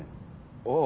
ああ。